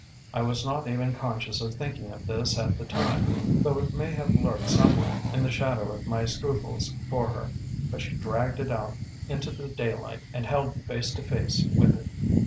I was not even conscious of thinking of this at the time, though it may have lurked somewhere in the shadow of my scruples for her; but she dragged it out into the daylight and held me face to face with it.